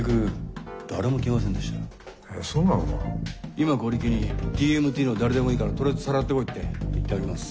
今コリキに「ＴＭＴ」の誰でもいいからとりあえずさらってこいって言ってあります。